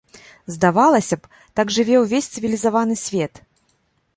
Здавалася б, так жыве ўвесь цывілізаваны свет.